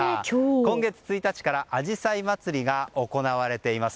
今月１日からあじさい祭が行われています。